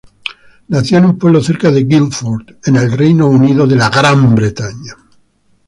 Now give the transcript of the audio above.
Nació en un pueblo cerca de Guildford, en Reino Unido.